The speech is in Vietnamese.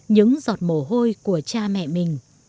những giọt mồ hôi của cha mẹ mình